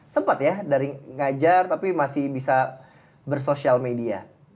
sempat ya dari ngajar tapi masih bisa bersosial media